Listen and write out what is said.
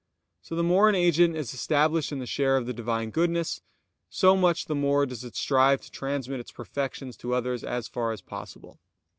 So the more an agent is established in the share of the Divine goodness, so much the more does it strive to transmit its perfections to others as far as possible.